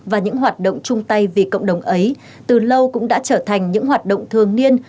và những hoạt động chung tay vì cộng đồng ấy từ lâu cũng đã trở thành những hoạt động thường niên